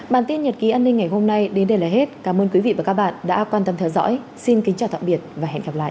bản tin nhật ký an ninh ngày hôm nay đến đây là hết cảm ơn quý vị và các bạn đã quan tâm theo dõi xin kính chào tạm biệt và hẹn gặp lại